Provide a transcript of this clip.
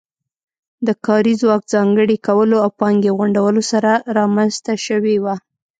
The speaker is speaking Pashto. د کاري ځواک ځانګړي کولو او پانګې غونډولو سره رامنځته شوې وه